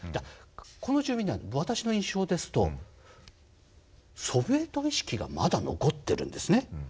この住民は私の印象ですとソビエト意識がまだ残ってるんです。